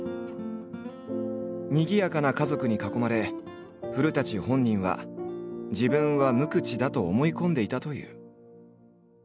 にぎやかな家族に囲まれ古本人は自分は無口だと思い込んでいたという。